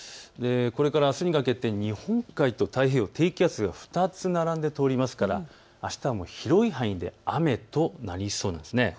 これからあすにかけて日本海と太平洋、低気圧が２つ並んで通りますから、あしたも広い範囲で雨となりそうなんです。